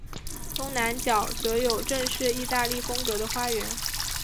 东南角则有正式意大利风格的花园。